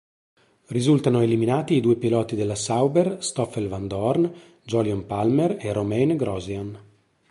Risultano eliminati i due piloti della Sauber, Stoffel Vandoorne, Jolyon Palmer e Romain Grosjean.